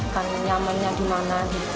kalau nyamannya di mana ibu